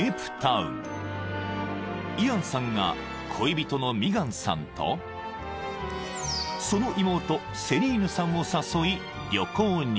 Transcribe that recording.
［イアンさんが恋人のミガンさんとその妹セリーヌさんを誘い旅行に］